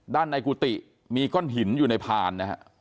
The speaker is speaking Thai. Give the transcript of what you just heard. ด้านในกุฏิมีก้อนหินอยู่ในพานนะฮะ